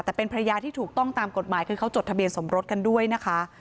แต่เป็นภรรยาที่ถูกต้องตามกฎหมายคือเขาจดทะเบียนสมรสกันด้วยนะคะ